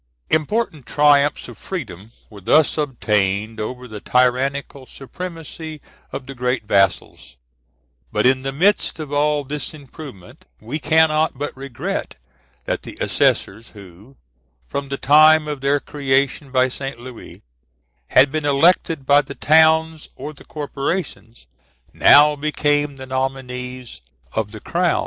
Important triumphs of freedom were thus obtained over the tyrannical supremacy of the great vassals; but in the midst of all this improvement we cannot but regret that the assessors, who, from the time of their creation by St. Louis, had been elected by the towns or the corporations, now became the nominees of the crown.